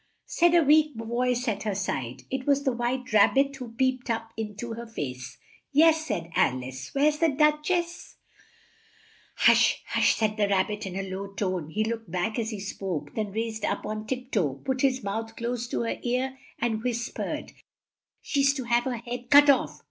said a weak voice at her side. It was the White Rab bit who peeped up in to her face. "Yes," said Al ice: "where's the Duch ess?" "Hush! Hush!" said the Rab bit, in a low tone. He looked back as he spoke, then raised up on tip toe, put his mouth close to her ear and whis pered, "She's to have her head cut off."